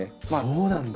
そうなんだ！